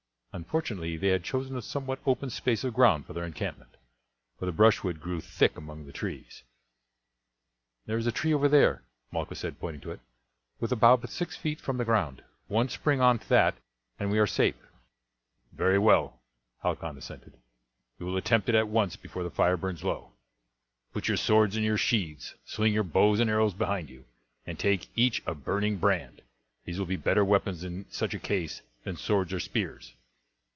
Unfortunately they had chosen a somewhat open space of ground for their encampment, for the brushwood grew thick among the trees. "There is a tree over there," Malchus said, pointing to it, "with a bough but six feet from the ground. One spring on to that and we are safe." "Very well," Halcon assented; "we will attempt it at once before the fire burns low. Put your swords into your sheaths, sling your bows and arrows behind you, and take each a burning brand. These will be better weapons in such a case than swords or spears.